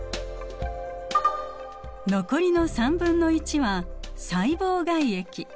残りの３分の１は細胞外液。